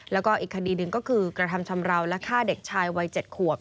แล้วก็อีกคดีหนึ่งก็คือกระทำชำราวและฆ่าเด็กชายวัย๗ขวบ